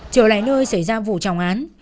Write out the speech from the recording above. chờ lại nơi xảy ra vụ trọng án